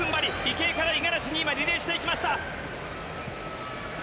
池江から五十嵐に今、リレーしていきました。